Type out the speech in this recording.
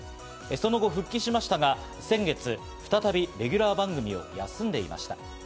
その後、復帰しましたが、先月再びレギュラー番組を休んでいました。